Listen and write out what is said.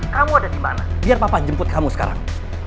kamu ada dimana biar papa jemput kamu sekarang